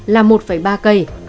là một ba cây